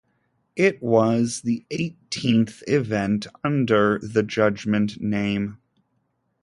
It was the eighteenth event under the Judgement name.